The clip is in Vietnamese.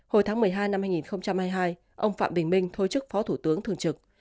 hồi tháng một mươi hai năm hai nghìn hai mươi hai ông phạm bình minh thôi chức phó thủ tướng thường trực